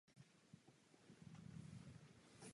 Místo skutečně dostane a pan šéf je s ním nesmírně spokojen.